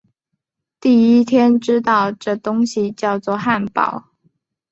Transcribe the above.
第一天知道这东西叫作汉堡